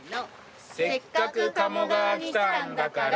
「せっかく鴨川に来たんだから」